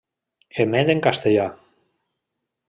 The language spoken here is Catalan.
Emet en castellà.